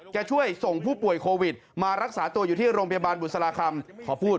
จะช่วยส่งผู้ป่วยโควิดมารักษาตัวอยู่ที่โรงพยาบาลบุษราคำขอพูด